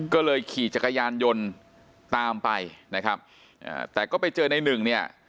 ก็เลยขี่จักรยานยนต์ตามไปนะครับอ่าแต่ก็ไปเจอในหนึ่งเนี่ย